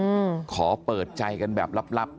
อืมขอเปิดใจกันแบบลับลับ